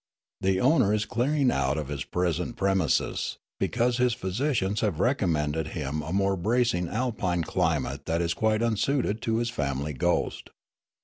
... The owner is clearing out of his present pre mises, because his ph3'sicians have recommended him a more bracing alpine climate that is quite unsuited to his family ghost.'